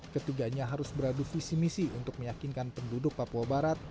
ketiganya harus beradu visi misi untuk meyakinkan penduduk papua barat